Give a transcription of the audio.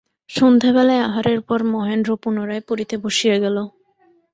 সন্ধ্যাবেলায় আহারের পর মহেন্দ্র পুনরায় পড়িতে বসিয়া গেল।